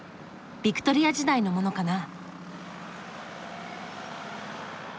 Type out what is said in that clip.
ビクトリア時代のものかな。